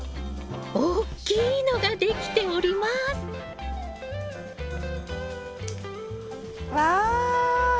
大きいのができております！わ！